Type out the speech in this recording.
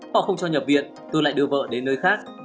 họ không cho nhập viện tôi lại đưa vợ đến nơi khác